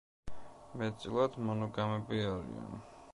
მეტწილად მონოგამები არიან.